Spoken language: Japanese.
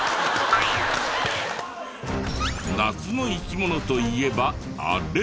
夏の生き物といえばあれ。